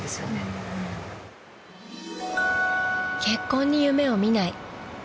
［「結婚に夢を見ない」